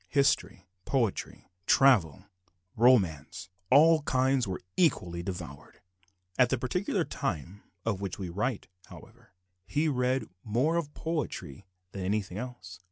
History, poetry, travel, romance all kinds were equally devoured. At the particular time of which we write, however, he read more of poetry than of anything else.